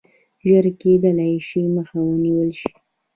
ژر کېدلای شي مخه ونیوله شي.